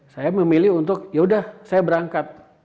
saya memilih untuk yaudah saya berangkat